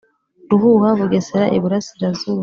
Ruhuha Bugesera Iburasirazuba